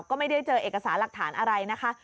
ก็ไม่ได้เจอเอกสารหลักฐานอะไรนะคะ